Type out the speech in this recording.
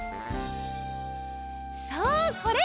そうこれ。